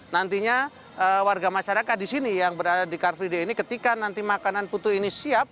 nantinya warga masyarakat di sini yang berada di car free day ini ketika nanti makanan putu ini siap